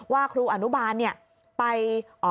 ว่าครูอนุบาลเนี่ยไป